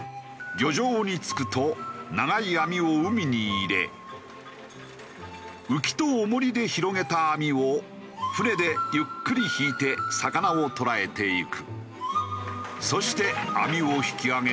漁場に着くと長い網を海に入れウキと重りで広げた網を船でゆっくり引いて魚をとらえていく。